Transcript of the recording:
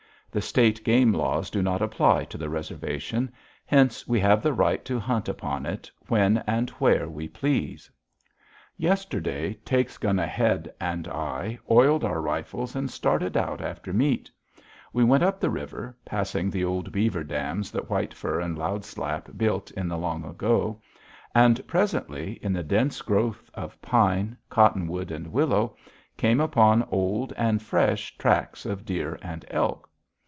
The state game laws do not apply to the reservation, hence we have the right to hunt upon it when and where we please. [Illustration: BIG SPRING PAINTING AUTOBIOGRAPHY ON THE FLESH SIDE OF A TANNED ELK SKIN] Yesterday Takes Gun Ahead and I oiled our rifles and started out after meat. We went up the river, passing the old beaver dams that White Fur and Loud Slap built in the long ago, and presently, in the dense growth of pine, cottonwood, and willow, came upon old and fresh tracks of deer and elk.